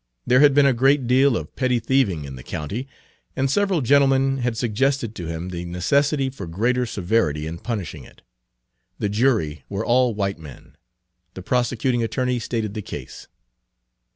There had been a great deal of petty thieving in the county, and several gentlemen had suggested to him the necessity for greater severity in punishing it. The jury were all white men. The prosecuting attorney stated the case.